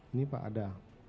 ini pak ada